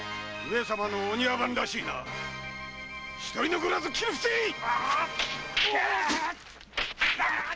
上様のお庭番らしいな一人残さず切り伏せい！